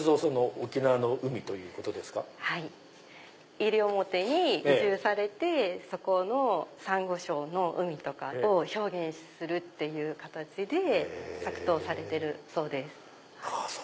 西表に移住されてそこのサンゴ礁の海とかを表現するっていう形で作陶されてるそうです。